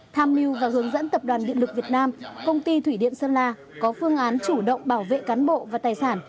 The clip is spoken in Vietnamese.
tham mưu và hướng dẫn tập đoàn điện lực việt nam công ty thủy điện sơn la có phương án chủ động bảo vệ cán bộ và tài sản